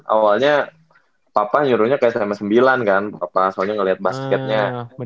awalnya papa nyuruhnya ke sma sembilan kan papa soalnya ngeliat basketnya